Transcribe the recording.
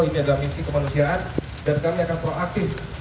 ini adalah misi kemanusiaan dan kami akan proaktif